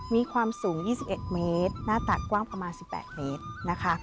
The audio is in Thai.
มีความสูง๒๑เมตรหน้าตักกว้างประมาณ๑๘เมตรนะคะ